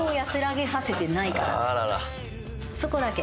そこだけ。